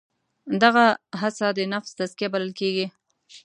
دغه هڅه د نفس تزکیه بلل کېږي.